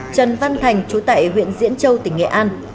trần văn thành chú tại huyện diễn châu tỉnh nghệ an